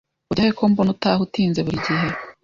Ujyahe ko mbona utaha utinze buri gihe?